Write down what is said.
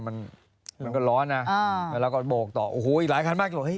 พระรังก็ยังไม่ได้ไป